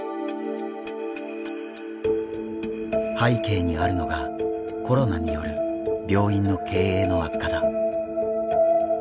背景にあるのがコロナによる病院の経営の悪化だ。